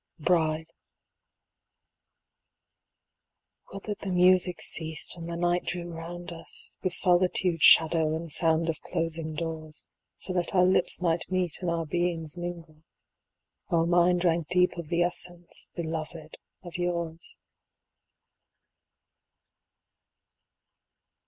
Bride Would that the music ceased and the night drew round us. With solitude, shadow, and sound of closing doors. So that our lips might meet and our beings mingle. While mine drank deep of the essence, beloved, of yours.